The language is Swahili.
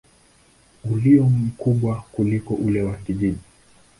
ulio mkubwa kuliko ule wa kijiji.